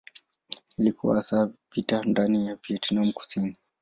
Ilikuwa hasa vita ndani ya Vietnam Kusini.